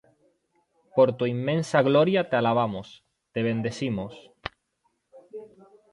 Por tu inmensa gloria te alabamos, te bendecimos,